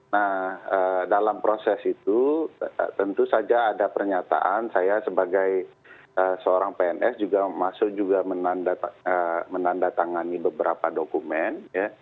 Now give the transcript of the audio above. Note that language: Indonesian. nah dalam proses itu tentu saja ada pernyataan saya sebagai seorang pns juga masuk juga menandatangani beberapa dokumen